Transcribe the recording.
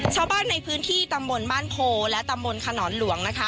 ชาวบ้านในพื้นที่ตำบลบ้านโพและตำบลขนอนหลวงนะคะ